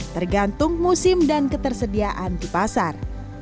tergantung musim dan ketersediaan di pasar